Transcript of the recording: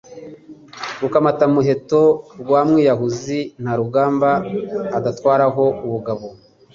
Rukamatamuheto rwa Mwiyahuzi nta rugamba adatwaraho ubugabo